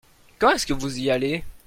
Quand est-ce que vous y allez ?